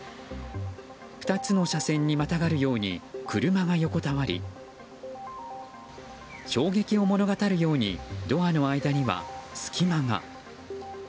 ２つの車線にまたがるように車が横たわり衝撃を物語るようにドアの間には隙間が。